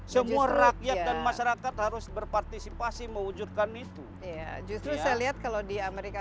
semua rakyat dan masyarakat harus berpartisipasi mewujudkan itu justru saya lihat kalau di amerika